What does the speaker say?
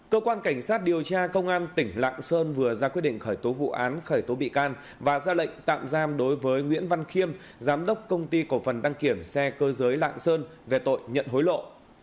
cơ quan cảnh sát điều tra công an tỉnh lạng sơn vừa ra quyết định khởi tố vụ án khởi tố bị can và ra lệnh tạm giam đối với nguyễn văn khiêm giám đốc công ty cổ phần đăng kiểm xe cơ giới lạng sơn về tội nhận hối lộ